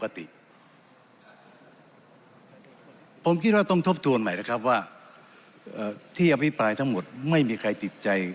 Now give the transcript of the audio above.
ผมคิดว่าต้องทบทวนใหม่นะครับว่าที่อภิปรายทั้งหมดไม่มีใครติดใจ